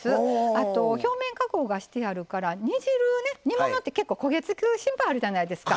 あと表面加工してあるから煮汁をね、煮汁って結構焦げ付く心配あるじゃないですか。